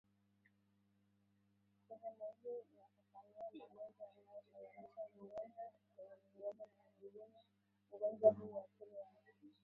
Sehemu hii inafafanua magonjwa yanayosababisha vidonda kwenye midomo na miguuni ugonjwa huu huathiri wanyama